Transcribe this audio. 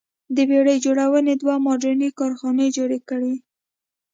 د بېړۍ جوړونې دوه موډرنې کارخانې جوړې کړې.